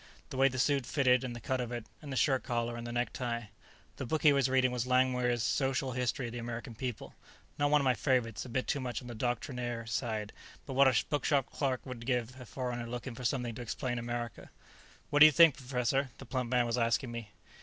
The way the suit fitted, and the cut of it, and the shirt collar, and the necktie. The book he was reading was Langmuir's Social History of the American People not one of my favorites, a bit too much on the doctrinaire side, but what a bookshop clerk would give a foreigner looking for something to explain America. "What do you think, Professor?" the plump man was asking me.